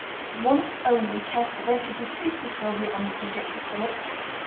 Once only Kester ventured to speak to Sylvia on the subject of Philip.